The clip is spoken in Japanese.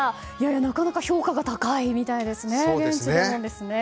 なかなか評価が高いみたいですね。